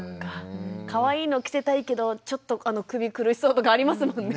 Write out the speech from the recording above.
かわいいの着せたいけどちょっと首苦しそうとかありますもんね。